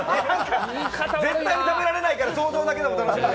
絶対に食べられないから想像だけで。